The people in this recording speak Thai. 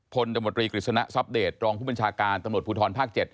ตมตรีกฤษณะทรัพเดตรองผู้บัญชาการตำรวจภูทรภาค๗